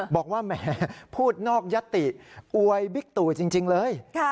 บอกว่าแหมพูดนอกยัตติอวยบิ๊กตู่จริงเลย